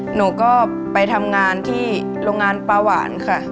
หนูก็ไปทำงานที่โรงงานปลาหวานค่ะ